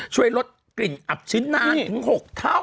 ช่วยลดกลิ่นอับชิ้นนานถึง๖เท่า